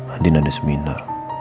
andin ada seminar